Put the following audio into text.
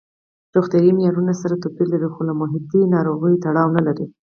روغتیايي معیارونه سره توپیر لري خو له محیطي ناروغیو تړاو نه لري.